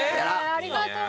ありがとう。